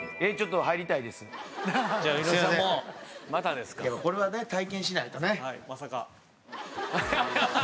でもこれはね体験しないとね。